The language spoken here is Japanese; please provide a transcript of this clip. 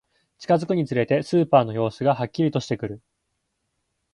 近づくにつれて、スーパーの様子がはっきりとしてくる